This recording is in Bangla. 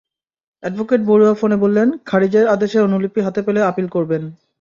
অ্যাডভোকেট বড়ুয়া ফোনে বললেন, খারিজের আদেশের অনুলিপি হাতে পেলে আপিল করবেন।